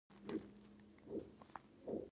اصلي غلطي د خپلې غلطي نه منل دي.